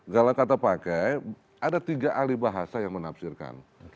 kalau kata pake ada tiga alih bahasa yang menafsirkan